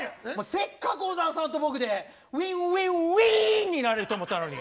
せっかく小沢さんと僕でウィンウィンウィーンになれると思ったのに。